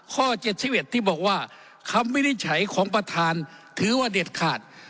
ข้อ๗๑ที่บอกว่าคำวินิจฉัยของประธานถือว่าเด็ดขาด